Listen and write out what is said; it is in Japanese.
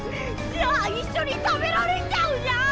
じゃあ一緒に食べられちゃうじゃん！